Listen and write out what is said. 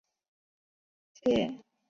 新浪网简介